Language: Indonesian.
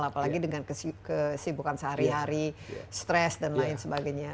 apalagi dengan kesibukan sehari hari stres dan lain sebagainya